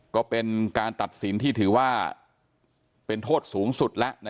ก็เป็นการตัดสินที่ถือว่าเป็นโทษสูงสุดแล้ว